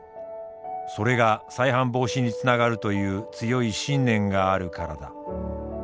それが再犯防止につながるという強い信念があるからだ。